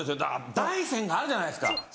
大山があるじゃないですか！